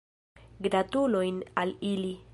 Gratulojn al ili.